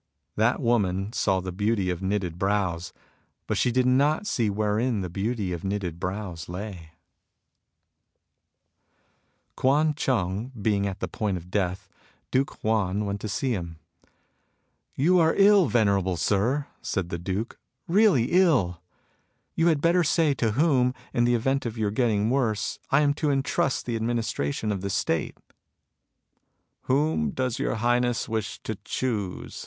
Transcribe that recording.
That woman saw the beauty of knitted brows, but she did not see wherein the beauty of knitted brows lay. 1 A famous beauty of old. 80 MUSINGS OP A CHINESE MYSTIC Kuan Chung being at the point of death, Duke Huan went to see him. " You are ill, venerable Sir,'* said the Duke, " really ill. You had better say to whom, in the event of your getting worse, I am to entrust the administration of the State." " Whom does your Highness wish to choose